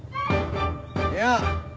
いや。